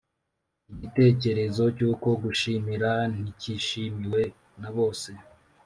igitekerezo cy’ uko gushimira nticyishimiwe na bose